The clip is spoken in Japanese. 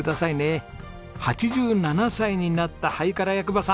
８７歳になったハイカラ役場さん！